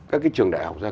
các cái trường đại học ra